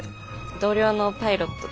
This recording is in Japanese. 同僚のパイロットで。